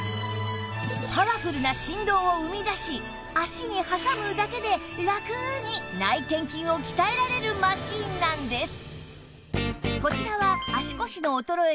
パワフルな振動を生み出し脚に挟むだけでラクに内転筋を鍛えられるマシンなんです